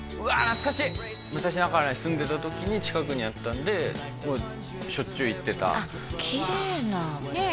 懐かしい武蔵中原に住んでた時に近くにあったんでしょっちゅう行ってたきれいなねえ